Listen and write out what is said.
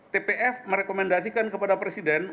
tpf merekomendasikan kepada presiden